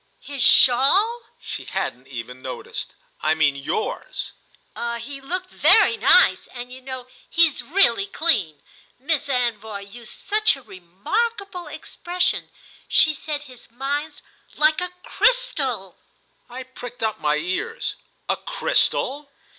"His shawl?" She hadn't even noticed. "I mean yours." "He looked very nice, and you know he's really clean. Miss Anvoy used such a remarkable expression—she said his mind's like a crystal!" I pricked up my ears. "A crystal?"